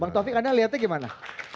bang taufik anda lihatnya gimana